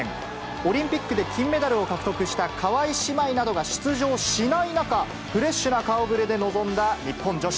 オリンピックで金メダルを獲得した川井姉妹などが出場しない中、フレッシュな顔ぶれで臨んだ日本女子。